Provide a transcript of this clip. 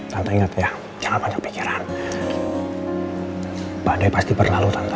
tante ingat ya jangan ada pikiran badai pasti berlalu tante